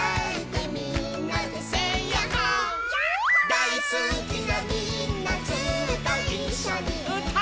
「だいすきなみんなずっといっしょにうたおう」